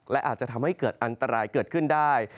และอาจจะทำให้เกิดอันตรายเกิดขึ้นได้